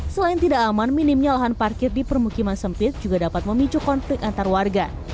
selain tidak aman minimnya lahan parkir di permukiman sempit juga dapat memicu konflik antar warga